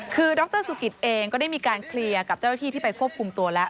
คือดรสุกิตเองก็ได้มีการเคลียร์กับเจ้าหน้าที่ที่ไปควบคุมตัวแล้ว